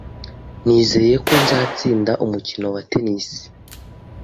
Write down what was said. Nizeye ko nzatsinda umukino wa tennis